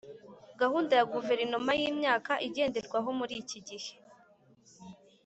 Gahunda ya Guverinoma y Imyaka igenderwaho muri iki gihe